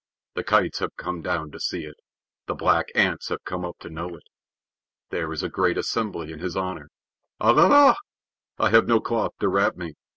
The kites have come down to see it. The black ants have come up to know it. There is a great assembly in his honor. Alala! I have no cloth to wrap me.